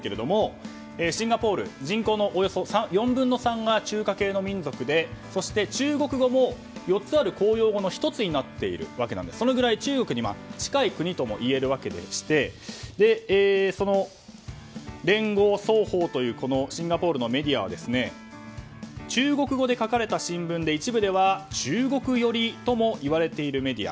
シンガポール人口のおよそ４分の３が中華系の民族で中国語も４つある公用語の１つになっているわけでそのぐらい中国に近い国ともいえるわけで聯合早報というシンガポールのメディアは中国語で書かれた新聞で一部では中国寄りともいわれているメディア。